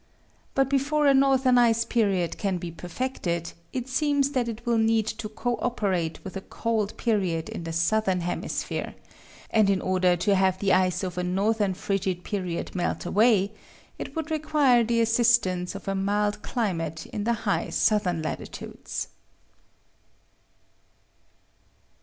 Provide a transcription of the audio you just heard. But before a northern ice period can be perfected, it seems that it will need to co operate with a cold period in the southern hemisphere; and in order to have the ice of a northern frigid period melt away, it would require the assistance of a mild climate in the high southern latitudes.